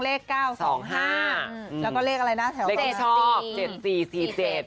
เลขเก้าสองห้าอืมแล้วก็เลขอะไรน่ะแถวตรงนั้นเจ็ดสี่เจ็ดสี่สี่เจ็ด